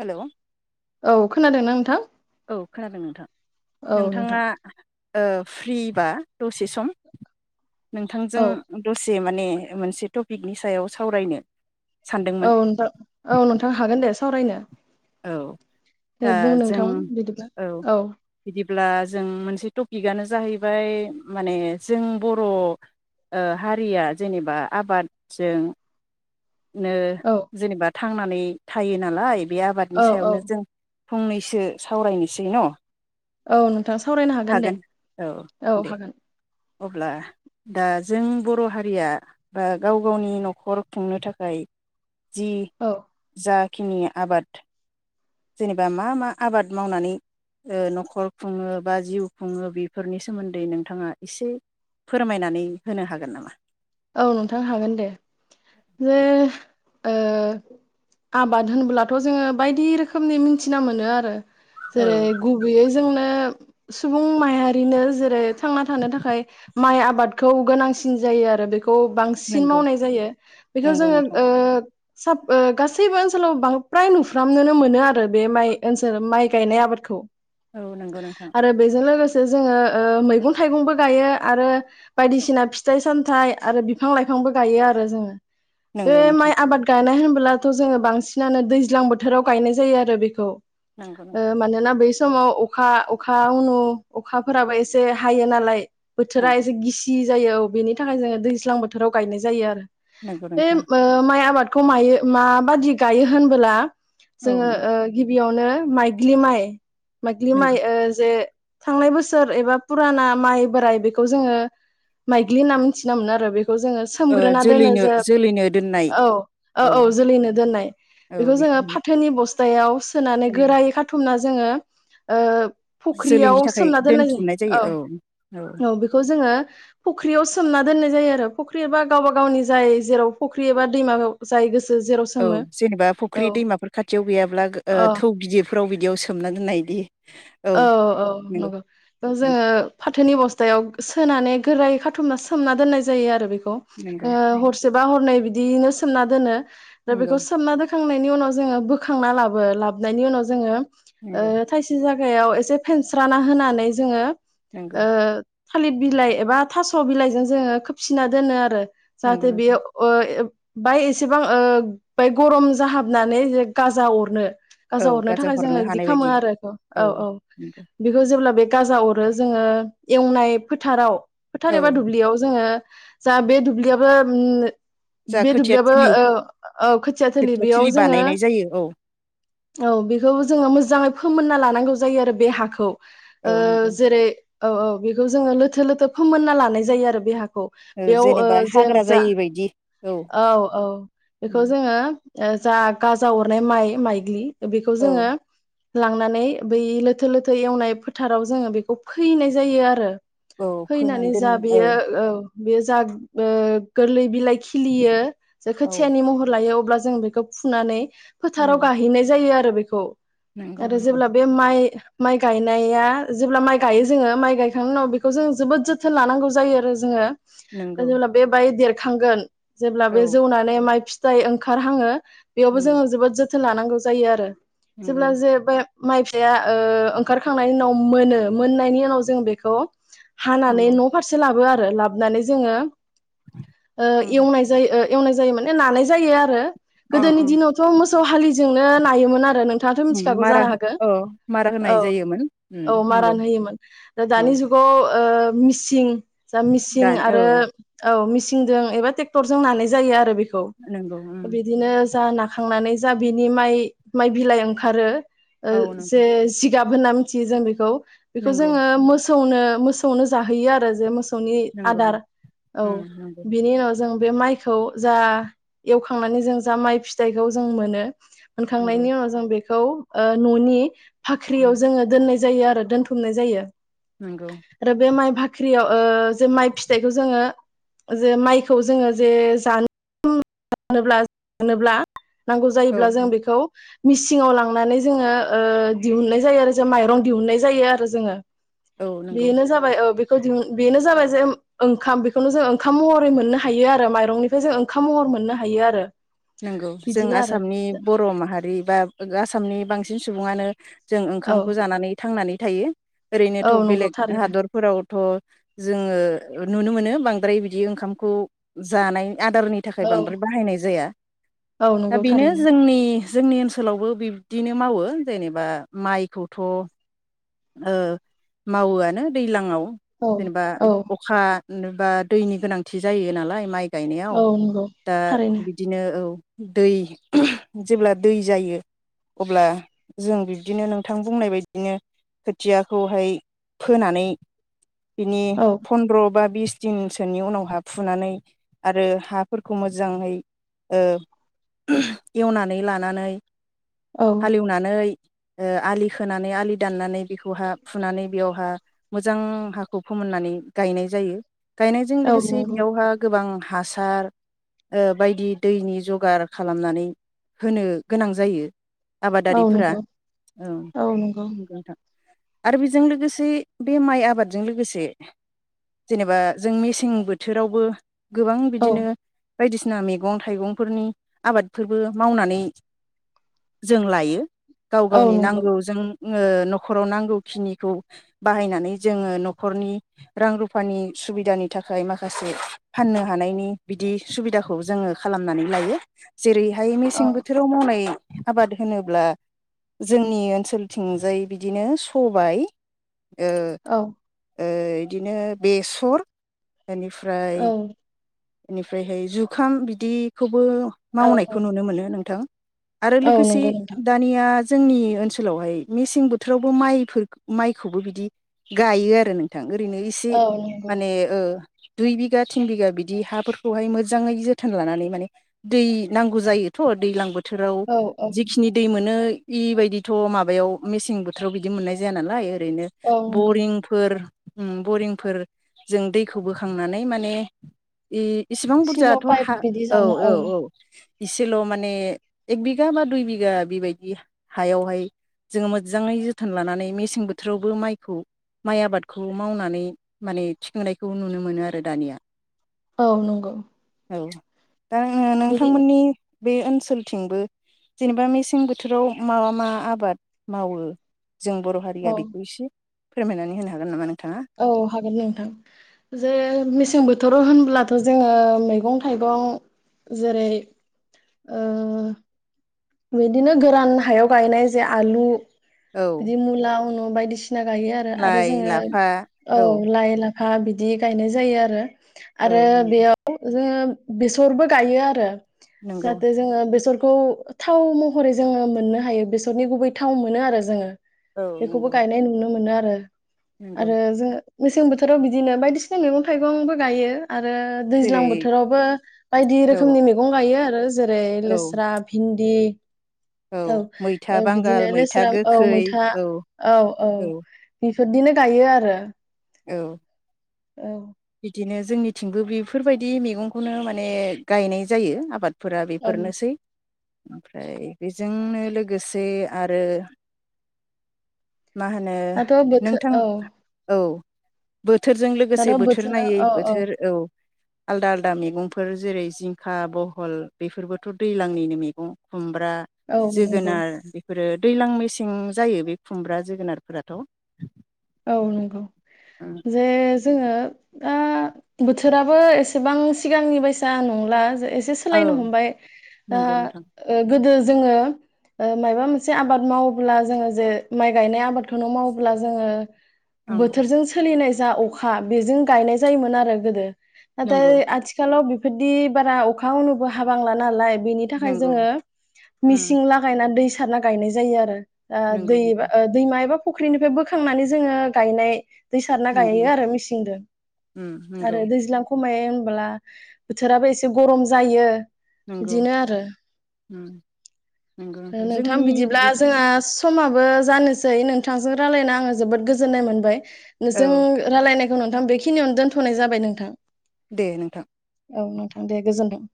Hello औ खोनादोंना नोंथां औ खोनादों नोंथां औ नोंथां नोंथाङा ओ फ्रि बा दसे सम नोंथांजों औ दसे माने मोनसे टपिकनि सायाव सावरायनो औ सानदोंमोन नोंथां औ नोंथां हागोन दे सावरायनो औ दे दा बुं नोंथां बिदिब्ला औ अब्ला जों मोनसे टपिकआनो जाहैबाय माने जों बर' हारिया जेनेबा आबादजों जों औ जेनेबा थांनानै थायो नालाय बे आबादनि औ औ सायावनो जों फंनैसो सावरायनोसै न' औ नोंथां सावरायनो हागोन दे औ दे हागोन अब्ला दा जों बर' हारिया बा गाव गावनि न'खर खुंनो थाखाय जि औ जा खिनि आबाद जेनेबा मा मा आबाद मावनानै ओ न'खर खुङो बा जिउ खुङो बेफोरनि सोमोन्दै नोंथाङा एसे फोरमायनानै होनो हागोन नामा औ नोंथां हागोन दे जे ओ आबाद होनबो्लाथ' जोङो बायदि रोखोमनि मिथिना मोनो आरो औ जेरै गुबैयै जोंनो सुबुं माहारिनो जेरै थांना थानो थाखाय माइ आबादखौ गोनांसिन जायो आरो बे खौ बांसिन नंगौ मावनाय जायो बेखौ नंगौ जोङो नोंथां ओ साब गासैबो ओनसोलाव बांद्राय नुफ्रामनोनो मोनो आरो बे माइ ओनसोल माइ गायनाय आबादखौ औ नंगौ नोंथां थों जोङो ओ मैगं थाइगंबो गायो आरो बायदिसिना फिथाइ सामथाइ आरो बिफां लाइफांबो गायो आरो जोङो बे नंगौ नोंथां माइ आबाद गायनाय होन फुलाथ' जोङो बांसिनानो दैज्लां बोथोराव गायनाय जायो आरो बेखौ नंगौ ओ नोंथां मानोना बै समाव अखा अखा अनु अखाफोराबो एसे हायो नालाय बोथोरा नंगौ एसे गिसि जायो औ बेनि थाखाय जोङो दै दैस्लां बोथोराव गायनाय जायो आरो नंगौ बे नोंथां ओ माया आबाद खौ मायो माबाददि गायो होनबोला औ जोङो ओ बेयावनो माइग्लि माइ माग्लि माइ नंगौ ओ जे थांनाय बोसोर एबा फुराना माइ बोराइ बेखौ जोङो माइग्लि होनना मिथिना मोना [inaudible] खौ जोङो ओ सोमग्रोना दोनो जोलैनो जोब जोलैनो दोननाय औ ओ औ जोलैनो दोन्नाय बेखौ जोङो फाथोनि बस जायावस सोनानै गोरायै खाथुमना जोङो ओ जोलैनि फुख्रियाव थाखाय सोमना दोननाय दोनथुमनाय जायो औ औ बेखौ जोङो फुख्रियाव सोमना दोननाय जायो फुख्रि एबा गावबा गावनि जाय जेराव फुख्रि एबा दैमा जाय गोसो जेराव औ सोमो जेनेबा औ फुख्रि दैमाफोर खाथियाव गैयाब्ला ओ औ थौ गिदिर फ्राव बिदियाव सोमना नायदि औ औ नंगौ जोङो उम फाथोनि बस्थायाव सोनानै गोरायै खाथुमना सोमना दोननाय जायो आरो बेखौ। नंगौ ओ उम हरसेबा हरनै बि बिदियैनो सोमना दोनो दा नंगौ बेखौ सोमनाख खांनायनि उनाव जोङो बोखांना लाबो लाबनायनि उनाव जोङो ओ नंगौ थाइसे जा गाहागायाव एसे फेनस्राना होनानै जोङो नंगौ ओ थालिर बिलाइ एबा थास बिलाइजों जोङो खोबसिना दोनो आरो नंगौ जाहाथे नोंथां बेयो [unintelligible] बाय एसेबां ओ बाय गरम जाहाबनानै गाजा अरनो औ गाजाव हरनो गाजा थाखाय जोङो बिदि हानाय खालामो बायदि आरो बेखौ औ औ नंगौ बेखौ जों जेब्ला बे गाजा अरो जोङो एवनाय फोथाराव फोथार औ एबा दुब्लियाव जोङो जा बे दुब्लियाबो ओम जा बे खोथिया दुब्लियाबो थिलि औ औ खोथिया थोलि बेयाव थिलि जोङो बानायनाय जायो औ औ बेखौ जोङो मोजाङै फोमोनना लानांगोन नांगौ जायो आरो बे हाखौ ओ औ नंगौ जेरै औ औ बेखौ जोङो लोथो लोथो फोमोनना लानाय जायो आरो बे हाखौ ओ बेयाव जेनेबा हाग्रा जोंजा जायै बायदि औ औ बेखौ उम जोङो ओ जा गाजा अरनाय माइ माइग्लि बेखौ औ जोङो लांनानै बै लोथो लोथो एवनाय फोथाराव जोङो बेखौ फैनाय जायो आरो औ फोनानै फैनानै दोन जा बेयो औ बे जा ओ गोरलै बिलाइ खिलियो जे औ खोथियानि महर लायो अब ब्ला जों बेखौ फुनानै उम फोथाराव गाहैनाय जायो आरो बेखौ नंगौ आरो नंगौ जेब्ला बे माइ माइ गायनाया जेब्ला माइ गायो जोङो माइ गायखांनायनि उनाव बेखौ जों जोबोद जोथोन लानांगौ जायो आरो जोङो नंगौ जेब्ला बेबायदि थांगोन जेब्ला औ बे जौनानै माइ फि जाय ओंखारहाङो बेयावबो जों नंगौ जोबोर जो थोन लानांगौ जायो आरो। नंगौ जेब्ला जे बे माइ फिथाया ओंखारखांनायनि उनाव मोनो मोननायनि उनाव जों बेखौ हानानै नंगौ न' फारसे लाबो आ रो लाबनानै जोङो ओ नंगौ एवनाय जायो एवनाय जायो माने नानाय जायो आरो अ गोदोनि अ दिनावथ' मो सौ हालिजोंनो नायोमोन आरो नों थाङाथ' उम मिथिखागौ मारा जानो हा औ मारा औ होनाय जायोमोन उम औ नंगौ मारान होयोमोन औ दानि जुगाव ओ मिसिं जा मिसिं दानि औ आरो औ मिसिं आथिंजों एबा ट्रेक्टरजों नानाय जायो आरो नंगौ उम बिदिनो जा ना खांनानै जा बिनि माइ माइ बिलाइ ओंखारो औ जे जिगाब होनना मिथियो जों बेखौ। बेखौ नंगौ जोङो मोस सौनो मोसौनो जाहोयो आरो सौनि नंगौ आदार नंगौ औ उम नंगौ बिनि उनाव जों बे माइखौ जा एवखांनानै जों जा माइ फिथाइखौ जों मोनो। नंगौ मोनखांनायनि उनाव जों बे खौ ओ न'नि फाख्रियाव उम जोङो दोननाय जा जायो आरो दोनथुमनाय जायो। नंगौ आरो बे माइ बा फाख्रियाव ओ जे माइ फिथाइखौ जोङो जे माइखौ जोङो जे जानो [unintelligible] जानोब्ला नांगौ औ जायोब्ला जों बेखौ मिसिंआव लांनानै जोङो ओ दिहुननाय जायो आरो जों माइरं दिहुननाय जायो आरो जोङो। औ नंगौ बेनो जाबाय औ बे [unintelligible] बेनो जाबाय जे ओंखाम बेखौनो जों ओंखाम महरै मोननो हायो आरो माइरंनिफ्राय जों ओंखाम महर मोननो हायो आरो नोंगौ जों बिदिनो आरो आसामनि बर' माहारि बा आसामनि बांसिन सिन सुबुङानो जों औ ओंखामखौ जानानै थांनानै थायो ओरैनोथ' औ नंगौ बेलेग थारैनो हादरफोरावथ' जोङो नुनो मोनो। बांद्राय बिदि ओंखामखौ जानाय आदारनि थाखाय औ बांद्राय बाहायनाय जाया। औ दा नंगौ बेनो थारैनो जोंनि जोंनि ओनसोलावबो बे बिदिनो मावो जेनेबा माइखौथ' ओ मावोआनो दैलांङाव औ जेनेबा औ अखा जेनेबा दैनि गोनांथि जायो नालाय माइ गायनायाव औ नंगौ दा थारैनो बिदिनो औ दै [unintelligible] जेब्ला दै जायो अब्ला जों बिब्दिनो नोंथां बुंनाय बायदिनो खोथियाखौहाय फोनानै बिनि औ फनन्द्र' बा बिस दिनसोनि उनाव हा फुनानै आरो हाफोरखौ मोजाहै ओ [unintelligible] एवनानै लानानै औ हालिवनानै ओ आलि खोनानै आलि दाननानै बेखौहा फुनानै बेयावहा मोजां हाखौ फोमोननानै गायनाय जायो। गायनायजों औ लोगोसे नंगौ बेयावहा गोबां हासार हासार ओ बायदि दैनि जगार खालामनानै होनो गोनां जायो। औ आबादारिफोरा नोंगौ औ नोंगौ नंगौ आरो बेजों लोगोसे बे माइ आबादजों लोगोसे जेनेबा जों मेसें बोथोरावबो गोबां औ बिदिनो बायदिसिना मैगं थाइगंफोरनि आबादफोरबो मावनानै जों लायो। गाव औ गावनि नंगौ नांगौजों जोंङो न'खराव नांगौ खिनिखौ बाहायनानै जोङो न'खरनि रां रुफानि सुबिदानि थाखाय माखासे फाननो हानायनि बिदि सुबिदाखौ जोङो खालामनानै लायो। जेरैहाय औ मेसें बोथोराव मावनाय आबाद होनोब्ला जोंनि ओनसोल थिंजाय बिदिनो सबाय ओ ओ इदिनो बेसर ओनिफ्राय औ इनिफ्रायहाय जुखाम बिदिखौ बो औ मावनायखौ नुनो मोनो नोंथां आरो औ लोगोसे नंगौ नोंथां दानिया जोंनि ओनसोलावहाय मेसें बोथोरावबो माइफोर माइखौबो बिदि गायो आरो नों थां ओरैनो इसे औ नंगौ माने ओ दुइ बिघा तिन बिघा बिथ दि हाफोरखौहाय मोजाङै जोथोन लानानै माने दै नांगौ जायोथ दै लां बो थोराव औ औ जिखिनि दै मोनो इबायदिथ माबायाव मेसें बोथोराव बिदि मोननाय जाया नालाय ओरैनो औ नंगौ बरिंफोर उम बरिंफोरजों दैखौ बोखांनानै माने इ इसिबां सिल' बुरजायाथ पाइप हा बिदि औ जावना औ औ इसेल माने एक बिगा बा दुइ बिगा बेबायदि हायावहाय जोङो मोजाङै जोथोन लानानै मेसें बोथोरावबो माइखौ माइ आबादखौ मावनानै माने थिखांनायखौ नुनो मोनो आरो दानिया औ नंगौ औ दाङो बिदि नोंथांमोननि बे ओनसोलथिंबो जेनेबा मेसें बोथोराव मा मा आबाद मावो जों बर हारिया औ बेखौ एसे फोरमायनानै होनो हागोन नामा नों औ हागोन नोंथां जे मेसें बोथ थोराव होनब्लाथ जोङो मैगं थाइगं जेरै ओ बिदिनो गोरान हायाव गायनाय जे आलु औ इदि मुला उनु बायदिसि सिना गायो आरो आरो लाइ जोङो लाफा औ लाइ ला हा बिदि गायनाय जायो आरो औ आरो नंगौ बेयाव जोङो बेसरबो गायो आरो नंगौ जाहाथे जोङो बेसर खौ थाव महरै जोङो मोननो हायो बेसरनि गुबै थाव मोनो आरो जोङो औ बेखौबो नंगौ गायनाय नुनो मोनो आ ओ नंगौ आरो जोङो मेसें बोथोराव बिदिनो बायदिसिना मैगं थाइगंबो गायो। आरो दैज्लां जेरै बोथोरावबो बायदि औ रोखोमनि मैगं गायो आरो ना जेरै औ लेस्रा दि औ औ मैथा बिदिनो बांगाल मैथा लेस्राम औ गोखै मैथा औ औ बिदि बिदिनो गायो आरो औ औ बिदिनो जोंनिथिंबो बेफोरबायदि मैगंखौनो माने गायनाय जायो आबाद फोरा औ बेफोरनोसै ओमफ्राय बेजोंनो लोगोसे आरो मा होनो दाथ' बोथोर नोंथां औ औ बोथोरजों दाथ' लोगोसे बोथ बोथोर बोथोरा नायै औ बोथोर औ आलदा आलदा मैगंफोर जेरै जिंखा बहल बेफोरबोथ' दैज्लांनिनो मैगं [unintelligible] फोरा औ नंगौ जोगोनार बेफोरो दैज्लां मेसें जायो बे खुमब्रा जोगोनारफोराथ औ नंगौ जे जोंङो दा बोथोराबो एसेबां सिगांनि बायसा नंला एसे औ सोलायनो हमबाय नंगौ नोंथां ओ गोदो जोंङो माइबा मोनसे आबाद मावोब्ला जोंङो जे माइ गायनाय आबादखौनो मावोब्ला जोंङो नंगौ बोथोरजों सोलिनाय जा अखा बेजों गायनाय जायोमोन आरो गोदो नंगौ नाथाय आथिखालाव बिफोरदि बारा अखायाव नुबो हाबांला नालाय बिनि थाखाय नंगौ जोंङो उम मेसिन लागायना दै सारना गायनाय जायो आरो ओ नंगौ दै नंगौ एबा दै माइ बा फुख्रिनिफ्राय बोखांनानै जोंङो गायनाय दै सारना नंगौ गयो आरो मेसिंजों उम नंगौ आरो दैज्लां खमाय मानो होनोमब्ला बोथोराबो एसे गरम जायो नंगौ बिदिनो आरो उम नंगौ ओ नोंथां जोंनि बिदिब्ला बिदि जोंहा स माबो जानोसै नोंथांजों रायलायना आंङो जोबोद गोजोननाय मोनबाय नोंजों औ रालाय ना खौ नोंथां बेखिनियावनो दोनथनाय जाबाय नोंथां दे नोंथां। औ नोंथां दे गोजोन्थों